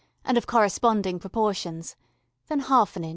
and of corresponding proportions, then ½ in.